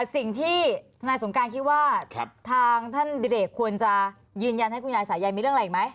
สิ่งที่ทนายสงการคิดว่าทางท่านดิเรกควรจะยืนยันให้คุณยายสายันมีเรื่องอะไรอีกไหม